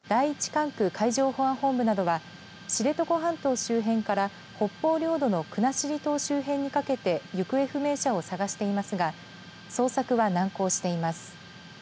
第１管区海上保安本部などは知床半島周辺から北方領土の国後島周辺にかけて行方不明者を捜していますが捜索は難航しています。